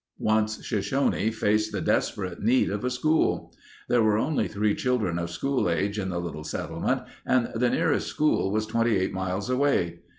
Once Shoshone faced the desperate need of a school. There were only three children of school age in the little settlement and the nearest school was 28 miles away.